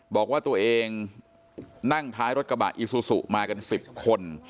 บอกว่าตัวเองนั่งท้ายรถกระบะอีซูซูมากัน๑๐คน